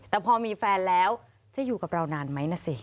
แต่พอมีแฟนแล้วจะอยู่กับเรานานไหมนะสิ